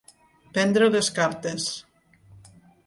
Prendre les cartes.